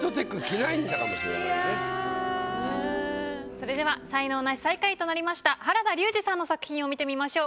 それでは才能ナシ最下位となりました原田龍二さんの作品を見てみましょう。